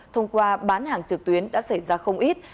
thông qua bán hàng trực tuyến đã xảy ra không ít